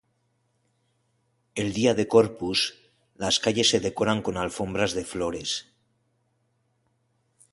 El día de Corpus, las calles se decoran con alfombras de flores.